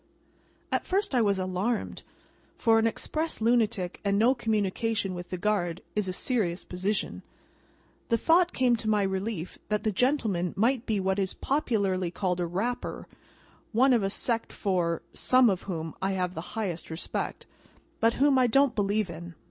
At first I was alarmed, for an Express lunatic and no communication with the guard, is a serious position. The thought came to my relief that the gentleman might be what is popularly called a Rapper: one of a sect for (some of) whom I have the highest respect, but whom I don't believe in.